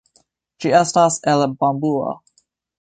Ĝi estas el bambuo.